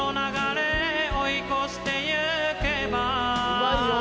うまいよ。